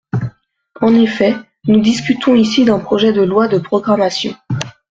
En effet, nous discutons ici d’un projet de loi de programmation.